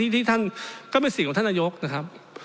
ที่ท่านก็ไม่สิ่งของท่านนายกนะครับ